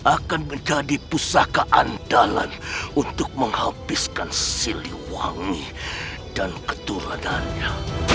akan menjadi pusaka andalan untuk menghabiskan silih wangi dan keturanannya